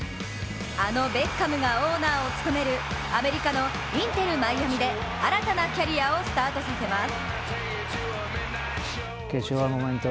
あのベッカムがオーナーを務めるアメリカのインテル・マイアミで新たなキャリアをスタートさせます。